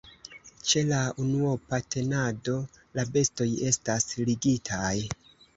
Ĉe la unuopa tenado la bestoj estas ligitaj.